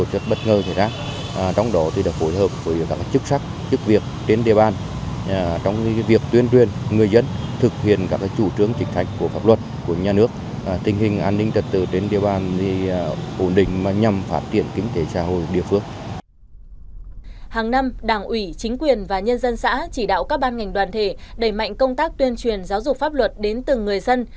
hàng năm đảng ủy chính quyền và nhân dân xã chỉ đạo các ban ngành đoàn thể đẩy mạnh công tác tuyên truyền giáo dục pháp luật đến từng người dân